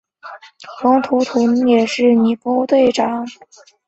并且福尼也是尤文图斯战前最后一任队长。